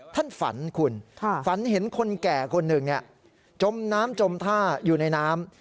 ท่านฝันคุณฝันเห็นคนแก่คนหนึ่งจมน้ำจมท่าอยู่ในน้ำ